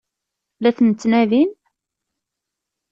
La ten-ttnadin?